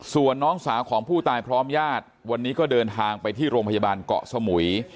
ส่วนน้องสาวของผู้ตายพร้อมญาติวันนี้ก็เดินทางไปที่โรงพยาบาลเกาะสมุย